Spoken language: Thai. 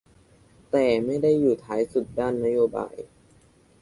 แต่ไม่ได้อยู่ท้ายสุดด้านนโยบาย